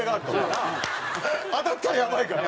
当たったらやばいから。